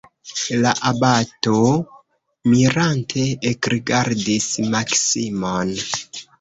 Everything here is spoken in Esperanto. La abato mirante ekrigardis Maksimon.